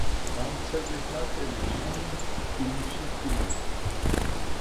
ამ ცეკვის ნაწილი ჩანს ფილმში „პინა“.